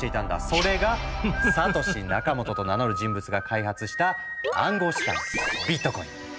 それがサトシ・ナカモトと名乗る人物が開発した暗号資産ビットコイン。